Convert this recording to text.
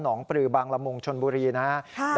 หนองปรือบางรมงค์ชลบุรีนะฮะ